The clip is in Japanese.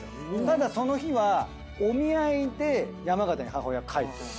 ただその日はお見合いで山形に母親帰ってる。